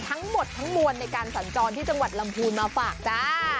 ทั้งหมดทั้งมวลในการสัญจรที่จังหวัดลำพูนมาฝากจ้า